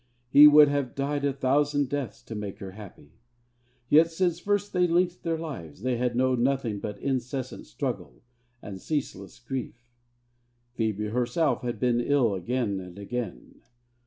He would have died a thousand deaths to make her happy; yet since first they linked their lives they had known nothing but incessant struggle and ceaseless grief. Phebe herself had been ill again and again.